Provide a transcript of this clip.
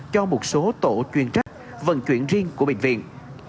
cho một số tổ chuyên trách vận chuyển riêng của bệnh viện